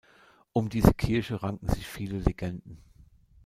Um diese Kirche ranken sich viele Legenden.